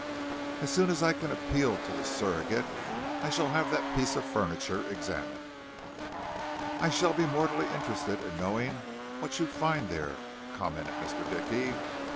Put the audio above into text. As soon as I can appeal to the Surrogate I shall have that piece of furniture examined." "I shall be mortally interested in knowing what you find there," commented Mr. Dickey.